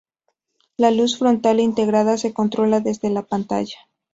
La luz frontal integrada se controla desde la pantalla.